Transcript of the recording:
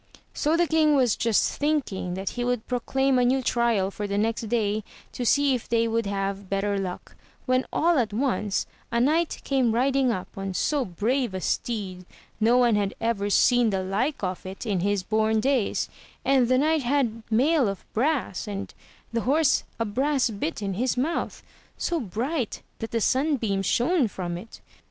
So the king was just thinking that he would proclaim a new trial for the next day, to see if they would have better luck, when all at once a knight came riding up on so brave a steed no one had ever seen the like of it in his bom days, and the knight had mail of brass, and the horse a brass bit in his mouth, so bright that the sunbeams shone from it.